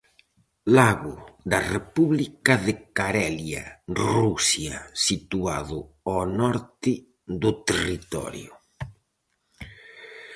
Lago da República de Carelia, Rusia, situado ao norte do territorio.